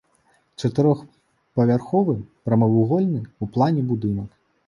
Чатырохпавярховы, прамавугольны ў плане будынак.